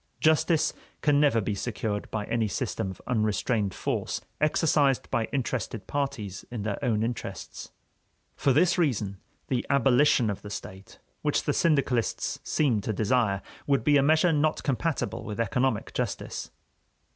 Justice can never be secured by any system of unrestrained force exercised by interested parties in their own interests. For this reason the abolition of the state, which the syndicalists seem to desire, would be a measure not compatible with economic justice.